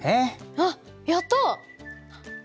あっやった！